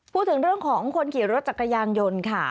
พูดถึงเรื่องของคนขี่รถจักรยานยนต์ค่ะ